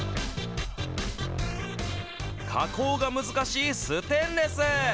加工が難しいステンレス。